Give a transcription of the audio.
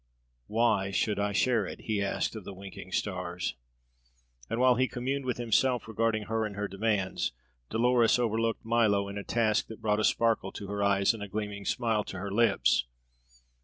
"Why should I share it?" he asked of the winking stars. And while he communed with himself regarding her and her demands, Dolores overlooked Milo in a task that brought a sparkle to her eyes and a gleaming smile to her lips.